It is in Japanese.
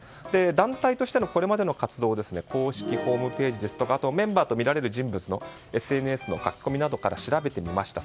団体としてのこれまでの活動を公式ホームページですとかあとメンバーとみられる人物のＳＮＳの書き込みなどから調べてみました。